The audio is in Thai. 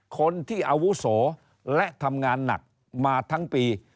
คนที่อาวุโสและทำงานหนักมาทั้งปี